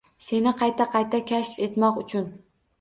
Seni qayta-qayta kashf etmoq uchun.